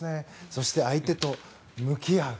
そして、相手と向き合う。